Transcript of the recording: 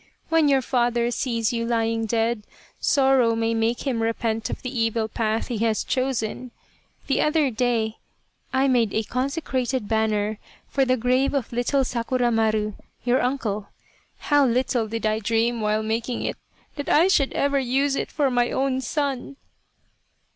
When your father sees you lying dead, sorrow may make him repent of the evil path he has chosen. The other day I made a consecrated banner for the grave of little Sakura Maru, your uncle. How little did I dream, while making it, that I should ever use it for my own son."